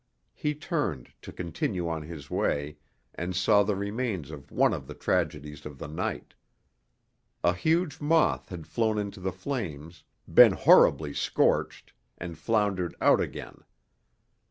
He turned to continue on his way, and saw the remains of one of the tragedies of the night. A huge moth had flown into the flames, been horribly scorched, and floundered out again.